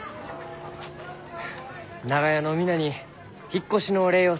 長屋の皆に引っ越しのお礼をせんとのう。